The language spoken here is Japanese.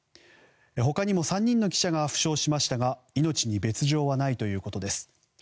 他にも３人の記者が負傷しましたが命に別条はないということです。